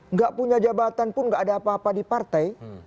nggak punya jabatan pun gak ada apa apa di partai